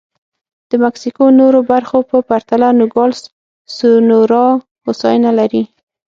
د مکسیکو نورو برخو په پرتله نوګالس سونورا هوساینه لري.